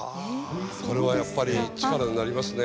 これはやっぱり力になりますね。